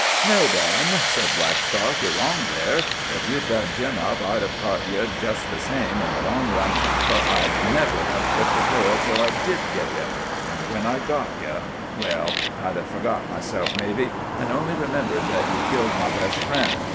"No, Dan," said Blackstock, "ye're wrong there. Ef you'd done Jim up I'd have caught ye jest the same, in the long run, fer I'd never have quit the trail till I did git ye. An' when I got ye—well, I'd hev forgot myself, mebbe, an' only remembered that ye'd killed my best friend.